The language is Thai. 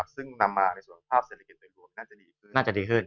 ซึ่งนำมาในส่วนภาพเศรษฐกิจโดยรวมน่าจะดีขึ้น